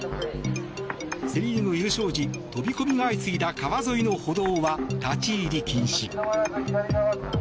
セリーグ優勝時飛び込みが相次いだ川沿いの歩道は立ち入り禁止。